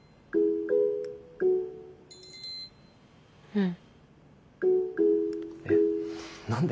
うん。